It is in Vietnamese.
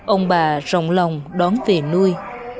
ông bà rộng lòng đón về nuôi